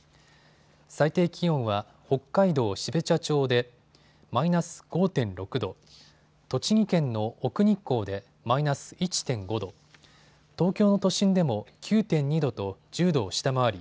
最低気温は北海道標茶町でマイナス５．６度、栃木県の奥日光でマイナス１．５度、東京の都心でも９．２度と１０度を下回り